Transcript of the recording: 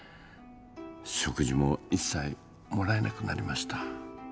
食事を一切もらえなくなりました。